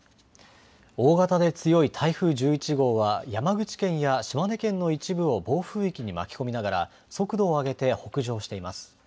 大型で強い台風１１号は山口県や島根県の一部を暴風域に巻き込みながら速度を上げて北上しています。